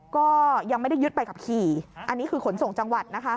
ก็ยังไม่ได้ยึดใบขับขี่อันนี้คือขนส่งจังหวัดนะคะ